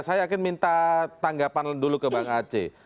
saya yakin minta tanggapan dulu ke bang aceh